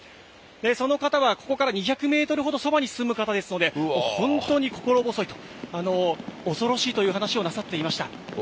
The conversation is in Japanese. その方はここから２００メートルほどそばに住む方ですので、本当に心細いと、恐ろしいという話をなさっていました。